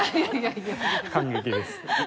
感激です。